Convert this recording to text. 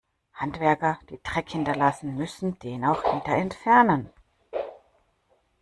Handwerker, die Dreck hinterlassen, müssen den auch wieder entfernen.